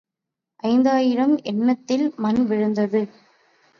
ஐந்து ஆயிரம் எண்ணத்தில் மண் விழுந்தது.